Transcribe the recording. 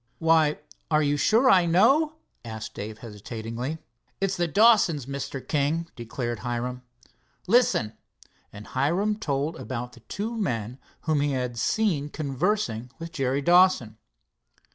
"Why, are you sure I know?" asked Dave hesitatingly. "It's the Dawsons, Mr. King," declared Hiram. "Listen," and Hiram told about the two men whom he had seen conversing with Jerry Dawson.